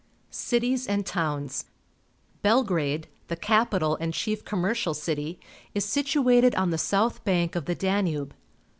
Cities and Towns. — Belgrade, the capital and chief commercial city, is situated on the south bank of the Danube.